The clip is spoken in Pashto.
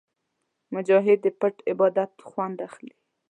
مجاهد د پټ عبادت خوند اخلي.